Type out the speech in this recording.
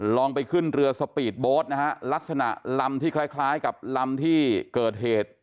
ลองไปขึ้นเรือสปีดโบสต์นะฮะลักษณะลำที่คล้ายคล้ายกับลำที่เกิดเหตุ